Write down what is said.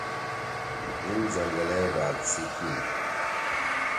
نیل زنگلے ڙات سی کیل؟